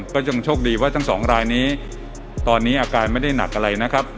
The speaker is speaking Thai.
ก็ยังโชคดีว่าทั้งสองรายนี้ตอนนี้อาการไม่ได้หนักอะไรนะครับ